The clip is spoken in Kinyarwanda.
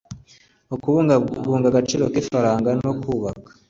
Ukubungabunga agaciro k ifaranga no kubaka